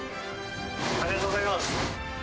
ありがとうございます。